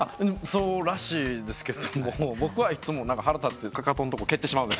そうらしいですけど僕はいつも腹立ってかかとんとこ蹴ってしまう。